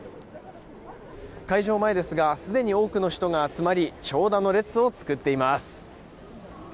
開場前ですがすでに多くの人が集まり長蛇の列を作っています。